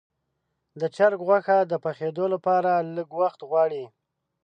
د چرګ غوښه د پخېدو لپاره لږ وخت غواړي.